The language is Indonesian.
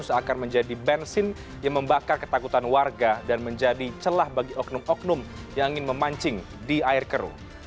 seakan menjadi bensin yang membakar ketakutan warga dan menjadi celah bagi oknum oknum yang ingin memancing di air keruh